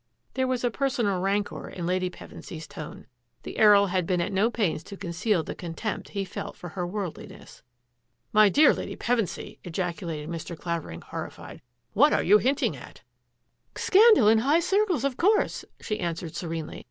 There was a personal rancour in Lady Pevensy's tone. The Earl had been at no pains to conceal the contempt he felt for her worldliness. " My dear Lady Pevensy !" ejaculated Mr. Cla vering, horrified. "What are you hinting at?" " Scandal in high circles, of course," she an swered serenely.